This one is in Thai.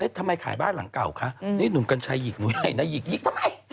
ทำไมขายบ้านหลังเก่าคะนี่หนุ่มกัญชัยหยิกหนูให้นะหยิกหิกทำไม